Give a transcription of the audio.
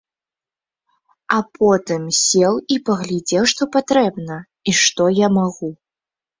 А потым сеў і паглядзеў, што патрэбна, і што я магу.